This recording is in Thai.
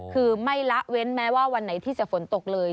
คือไม่ละเว้นแม้ว่าวันไหนที่จะฝนตกเลย